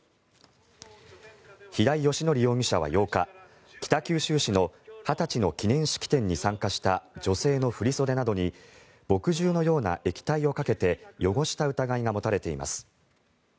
平井英康容疑者は８日北九州市の二十歳の記念式典に参加した女性の振り袖などに墨汁のような液体をかけて汚した疑いが持たれています。